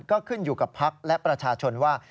ก็ขึ้นอยู่กับภักดิ์และประชาชนว่า